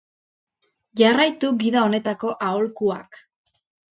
Jarraitu gida honetako aholkuak.